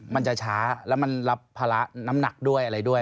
มันจะช้าแล้วมันรับภาระน้ำหนักด้วยอะไรด้วย